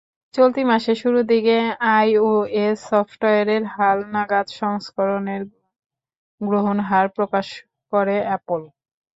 চলতি মাসের শুরুর দিকে আইওএস সফটওয়্যারের হালনাগাদ সংস্করণের গ্রহণ হার প্রকাশ করে অ্যাপল।